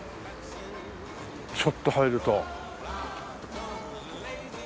ちょっと入ると。